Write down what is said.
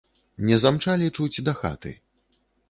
Не замчалі чуць да хаты.